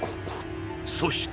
そして